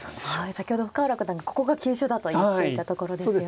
先ほど深浦九段がここが急所だと言っていたところですよね。